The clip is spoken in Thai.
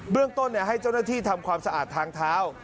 เรื่องต้นให้เจ้าหน้าที่ทำความสะอาดทางเท้า